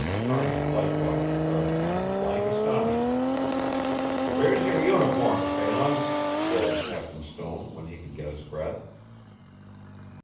Kearney likewise regarded him in blank astonishment. "Where's your uniform, Phelan?" roared Captain Stone when he could get his breath.